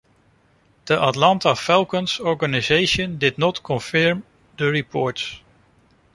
The Atlanta Falcons organization did not confirm the reports.